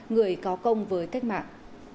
người có công với cách mạng